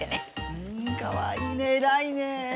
うんかわいいね偉いね。